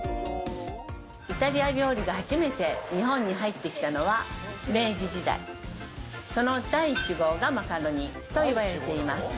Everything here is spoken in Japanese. イタリア料理が初めて日本に入ってきたのは明治時代、その第一号がマカロニといわれています。